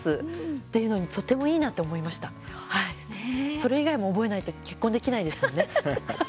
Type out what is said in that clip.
それ以外も覚えないと結婚できないですよね。